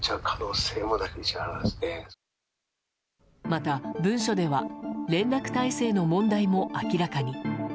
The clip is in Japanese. また、文書では連絡体制の問題も明らかに。